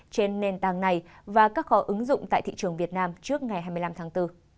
trên nền tảng này và các kho ứng dụng tại thị trường việt nam trước ngày hai mươi năm tháng bốn